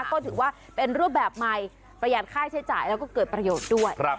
ก็ถือว่าเป็นรูปแบบใหม่ประหยัดค่าใช้จ่ายแล้วก็เกิดประโยชน์ด้วย